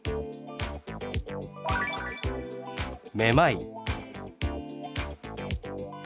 「めまい」。